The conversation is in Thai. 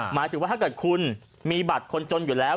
หมายถึงว่าถ้าเกิดคุณมีบัตรคนจนอยู่แล้ว